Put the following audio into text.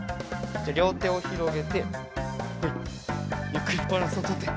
りょうてをひろげてほいゆっくりバランスをとって。